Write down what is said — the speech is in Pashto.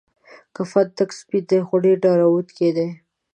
کفن تک سپین دی خو ډیر ډارونکی دی.